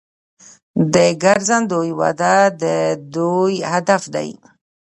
د ګرځندوی وده د دوی هدف دی.